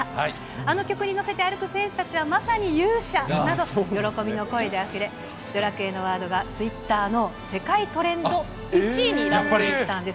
あの曲に乗せて歩く選手たちはまさに勇者など、喜びの声であふれ、ドラクエのワードがツイッターの世界トレンド１位にランクインしたんです。